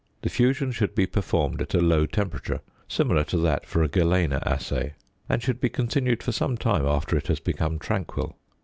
The fusion should be performed at a low temperature (similar to that for a galena assay), and should be continued for some time after it has become tranquil.